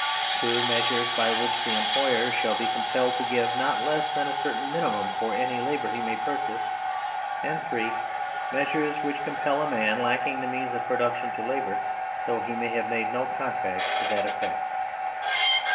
(2) Measures by which the employer shall be com pelled to give not less thanacertain minimum forany labour he may purchase, and (3) Measures which compel a man lacking the means of production to labour, though he may have made no contract to that effect.